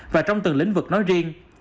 và trong từng lĩnh vực nói riêng